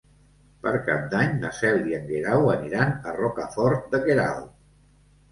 Per Cap d'Any na Cel i en Guerau aniran a Rocafort de Queralt.